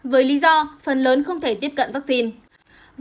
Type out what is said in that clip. với lý do phần lớn không thể tiếp cận vaccine